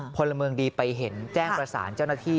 พลเมืองดีไปเห็นแจ้งประสานเจ้าหน้าที่